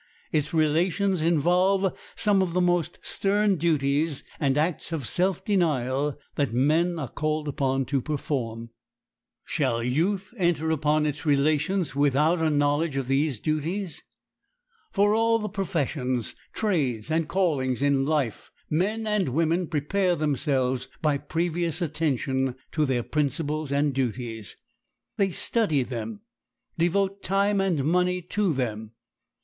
Its relations involve some of the most stern duties and acts of self denial that men are called upon to perform. Shall youth enter upon its relations without a knowledge of these duties? For all the professions, trades, and callings in life men and women prepare themselves by previous attention to their principles and duties. They study them,—devote time and money to them.